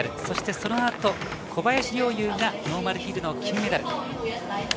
そして、そのあと小林陵侑がノーマルヒルの金メダル。